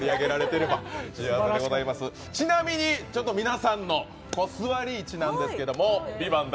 ちなみに、皆さんの座り位置なんですけども「ＶＩＶＡＮＴ」